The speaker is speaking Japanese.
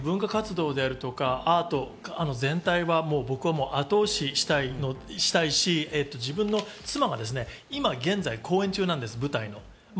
文化活動であるとか、アート全体は僕は後押しをしたいし、自分の妻が今、現在公演中です、舞台の。